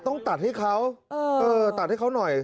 ต้องตัดให้เขาหน่อย